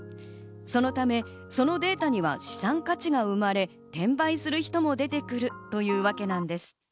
そのためそのデータには資産価値が生まれ、転売する人も出てくるというわけなんです。